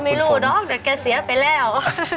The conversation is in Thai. แกไม่รู้ดอกเดี๋ยวแกเสียไปแล้ว